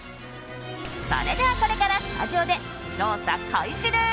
それでは、これからスタジオで調査開始です。